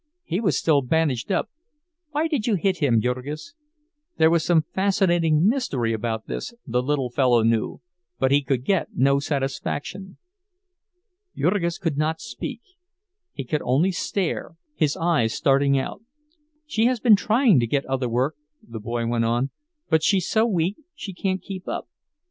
He was still bandaged up—why did you hit him, Jurgis?" (There was some fascinating mystery about this, the little fellow knew; but he could get no satisfaction.) Jurgis could not speak; he could only stare, his eyes starting out. "She has been trying to get other work," the boy went on; "but she's so weak she can't keep up.